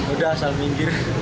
udah asal minggir